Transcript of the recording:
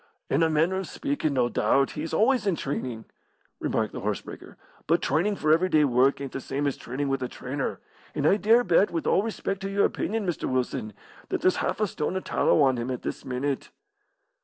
"In a manner of speakin', no doubt, he is always in trainin'," remarked the horse breaker. "But trainin' for everyday work ain't the same as trainin' with a trainer; and I dare bet, with all respec' to your opinion, Mr. Wilson, that there's half a stone of tallow on him at this minute."